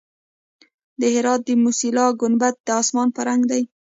د هرات د موسیلا ګنبد د اسمان په رنګ دی